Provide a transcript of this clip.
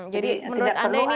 jadi menurut anda ini